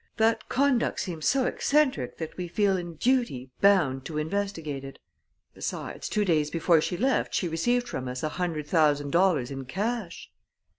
That conduct seems so eccentric that we feel in duty bound to investigate it. Besides, two days before she left she received from us a hundred thousand dollars in cash."